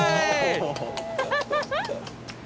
ハハハハ！